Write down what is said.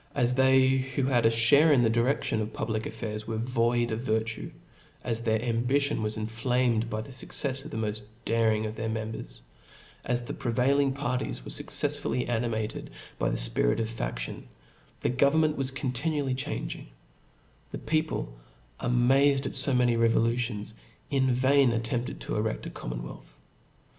As they who had a fhare in the diredkion of public affairs were void of virtue; as their ambition was enflamed by the fuccefs of the moft daring of their mem bers*; as the prevailing parties were fucceflSvely animated by the fpirit of fadtion, the government was continually changing : the people, amazed at fo many revolutions, in vain attempted to ereffc a commonwealth.